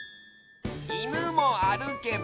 「いぬもあるけば」。